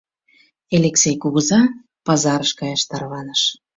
Элексей кугыза пазарыш каяш тарваныш.